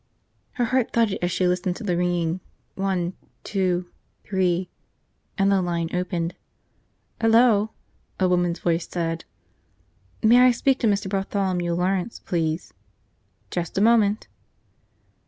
Her heart thudded as she listened to the ringing, one, two, three – and the line opened. "Hello," a woman's voice said. "May I speak to Mr. Bartholomew Lawrence, please?" "Just a moment."